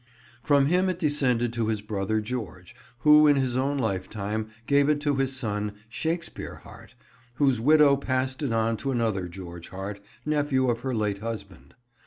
From him it descended to his brother George, who in his own lifetime gave it to his son, Shakespeare Hart, whose widow passed it on to another George Hart, nephew of her late husband.